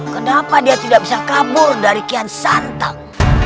kenapa dia tidak bisa kabur dari kian santang